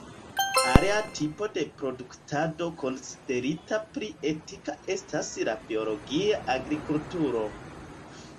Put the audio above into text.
Alia tipo de produktado konsiderita pli etika estas la biologia agrikulturo.